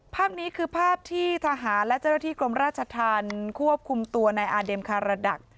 ภาพนี้คือภาพที่ทหารและเจ้าหน้าที่กรมราชธรรมควบคุมตัวนายอาเด็มคารดัก